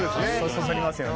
そそりますよね。